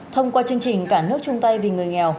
thông qua chương trình cả nước chung tay vì người nghèo